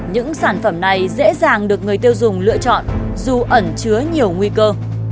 những sản phẩm này dễ dàng được người tiêu dùng lựa chọn dù ẩn chứa nhiều nguy cơ